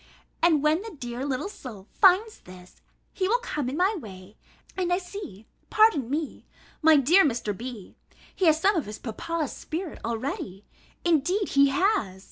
And when the dear little soul finds this, he will come in my way, (and I see, pardon me, my dear Mr. B., he has some of his papa's spirit, already, indeed he has!)